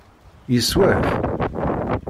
Yeswa-t?